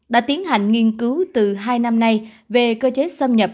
đã tiến hành nghiên cứu từ hai năm nay về cơ chế xâm nhập